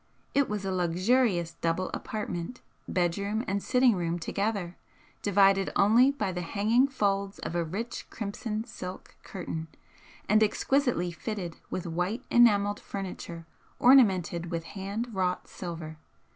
It was a luxurious double apartment, bedroom and sitting room together, divided only by the hanging folds of a rich crimson silk curtain, and exquisitely fitted with white enamelled furniture ornamented with hand wrought silver.